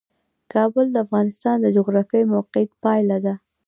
کابل د افغانستان د جغرافیایي موقیعت پایله ده.